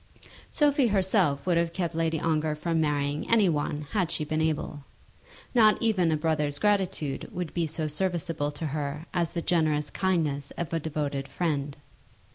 Sophie herself would have kept Lady Ongar from marrying any one had she been able. Not even a brother's gratitude would be so serviceable to her as the generous kindness of a devoted friend.